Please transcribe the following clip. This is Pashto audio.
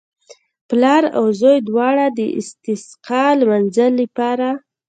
پلار او زوی دواړو د استسقا لمانځه لپاره.